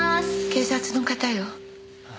警察の方よ。